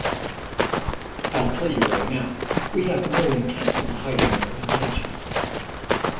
I'll tell you right now, we have no intent on hiding our intentions.